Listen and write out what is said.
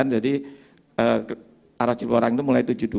jadi arah cipularang itu mulai tujuh puluh dua